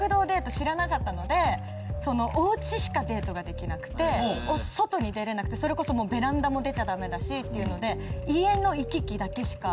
知らなかったのでお家しかデートができなくて外に出れなくてそれこそベランダも出ちゃダメだしっていうので家の行き来だけしか。